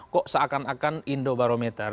kok seakan akan indobarometer